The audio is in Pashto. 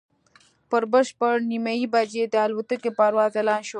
پر شپږ نیمې بجې د الوتکې پرواز اعلان شو.